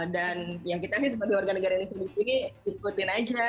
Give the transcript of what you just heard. dan yang kita sih sebagai warga negara indonesia di sini ikutin aja